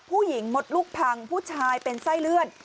ผู้หญิงหมดลูกพังผู้ชายเป็นไส้เลือด